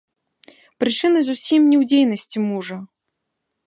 Прычына зусім не ў дзейнасці мужа.